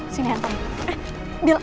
sini hantar gue